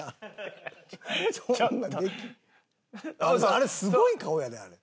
あれすごい顔やであれ。